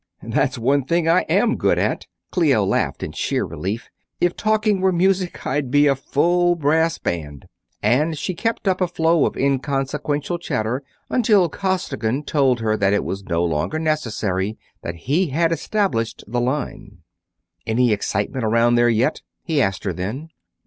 "That's one thing I am good at!" Clio laughed in sheer relief. "If talking were music, I'd be a full brass band!" and she kept up a flow of inconsequential chatter until Costigan told her that it was no longer necessary; that he had established the line. "Any excitement around there yet?" he asked her then.